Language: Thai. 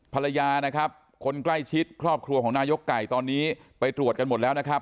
ภรรยาคนใกล้ชิดครอบครัวของนายกไก่ตอนนี้ไปตรวจกันหมดแล้ว